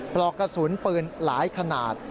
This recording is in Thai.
ปลอกกระสุนปืนหลายขนาด